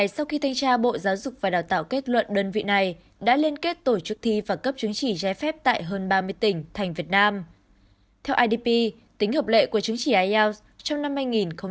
xin chào và hẹn gặp lại trong các bản tin tiếp theo